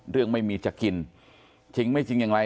เรื่องไม่มีจะกินถึงไม่จริงอย่างไร